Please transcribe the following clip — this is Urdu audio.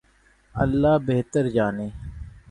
اللہ بہتر جانے۔